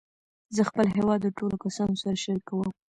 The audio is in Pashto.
زه خپل هېواد د ټولو کسانو سره شریکوم.